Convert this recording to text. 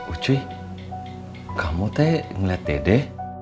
uci kamu tuh ngeliat dede